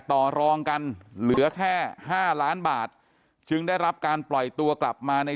ต่อรองกันเหลือแค่๕ล้านบาทจึงได้รับการปล่อยตัวกลับมาใน